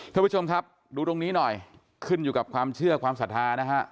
ท่านผู้ชมครับดูตรงนี้หน่อยขึ้นอยู่กับความเชื่อความศรัทธานะฮะ